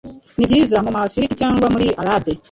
Nibyiza mumafiriti cyangwa muri alade